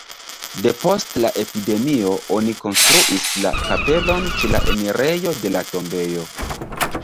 Depost la epidemio oni konstruis la kapelon ĉe la enirejo de la tombejo.